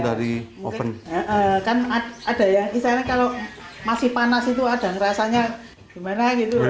ada yang misalnya kalau masih panas itu ada ngerasanya gimana gitu